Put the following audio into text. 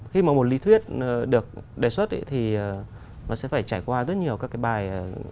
khi mà một lý thuyết được đề xuất ấy thì nó sẽ phải trải qua rất nhiều các cái bài